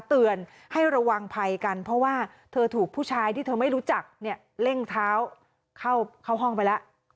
เตือนให้ระวังภัยกันเพราะว่าเธอถูกผู้ชายที่เธอไม่รู้จักเนี่ยเร่งเท้าเข้าห้องไปแล้ว